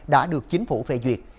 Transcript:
đã được chính phủ phê duyệt